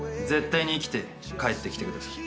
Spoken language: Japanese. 生きて帰ってきてください。